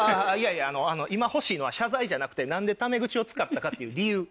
今欲しいのは謝罪じゃなくて何でため口を使ったかって理由。